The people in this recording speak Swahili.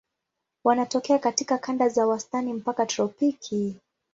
Wanatokea katika kanda za wastani mpaka tropiki.